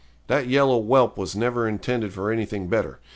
That yellow whelp was never intended for anything better.